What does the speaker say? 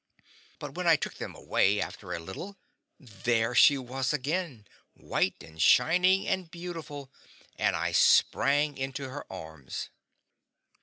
And when I took them away, after a little, there she was again, white and shining and beautiful, and I sprang into her arms!